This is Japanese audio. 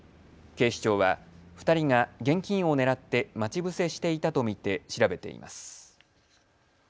警視庁は２人が現金を狙って待ち伏せしていたと見て調べています。